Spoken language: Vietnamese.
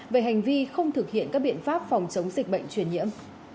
về hành vi không thực hiện các biện pháp phòng chống dịch bệnh truyền nhiễm